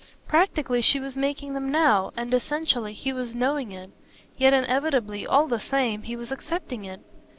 Practically she was making them now, and essentially he was knowing it; yet inevitably, all the same, he was accepting it.